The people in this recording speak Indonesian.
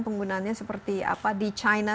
penggunaannya seperti apa di china